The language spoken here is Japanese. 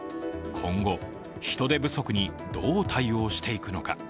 今後、人手不足にどう対応していくのか。